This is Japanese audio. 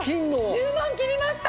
１０万切りました！